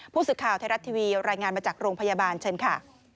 ผู้สื่อข่าวไทยรัฐทีวีรายงานมาจากโรงพยาบาลเชิญค่ะ